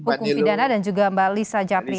hukum pidana dan juga mbak lisa japri